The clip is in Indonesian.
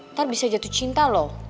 ntar bisa jatuh cinta loh